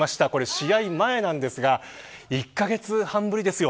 試合前なんですが１カ月半ぶりですよ。